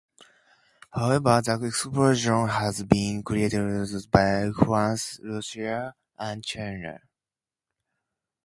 However, the expression has been criticized by France, Russia, and China.